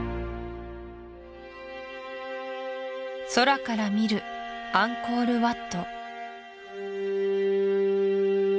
空から見るアンコール・ワット